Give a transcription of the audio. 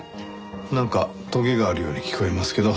なんかとげがあるように聞こえますけど。